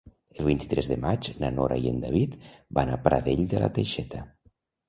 El vint-i-tres de maig na Nora i en David van a Pradell de la Teixeta.